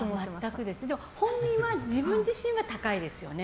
本人は自分自身は高いですよね。